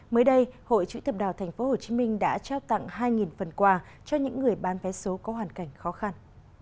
mới đây hội chủ tập đào tp hcm đã trao tặng hai phần quà cho những người bán vé số có hoàn cảnh khó khăn